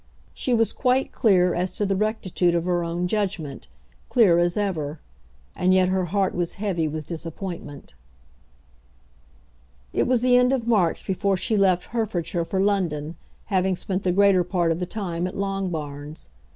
She was quite clear as to the rectitude of her own judgment, clear as ever. And yet her heart was heavy with disappointment. It was the end of March before she left Herefordshire for London, having spent the greater part of the time at Longbarns.